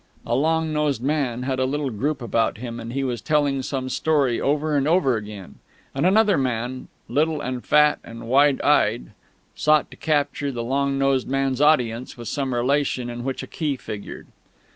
A long nosed man had a little group about him, and he was telling some story over and over again; and another man, little and fat and wide eyed, sought to capture the long nosed man's audience with some relation in which a key figured.